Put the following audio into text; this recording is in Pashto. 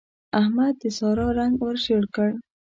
احمد د سارا رنګ ور ژړ کړ.